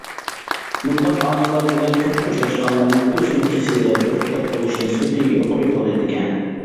بۇنداق ئامىللار بىلەن كۆپ ئۇچراشقانلارنىڭ ئۆسمە كېسىلىگە گىرىپتار بولۇش نىسبىتى يۇقىرى بولىدىكەن.